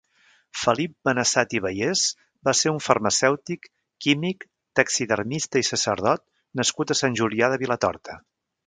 Felip Benessat i Bayés va ser un farmacèutic, químic, taxidermista i sacerdot nascut a Sant Julià de Vilatorta.